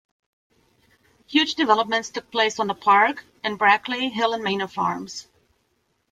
Huge developments took place on the Park, and Brackley, Hill and Manor Farms.